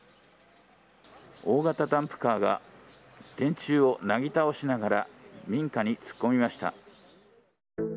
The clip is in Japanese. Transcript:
大型ダンプカーが電柱をなぎ倒しながら民家に突っ込みました。